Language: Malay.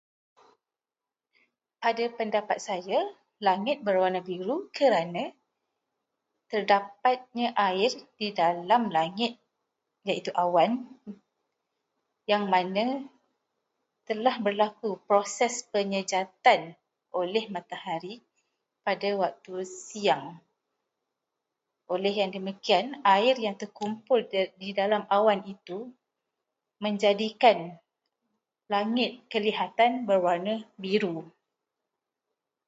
Pada pendapat saya, langit berwarna biru kerana terdapatnya air di dalam langit, iaitu awan, yang mana telah berlaku proses penyejatan oleh matahari pada waktu siang. Oleh yang demikian, air yang terkumpul di dalam awan itu menjadikan langit kelihatan berwarna biru.